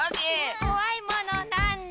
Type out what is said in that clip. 「こわいものなんだ？」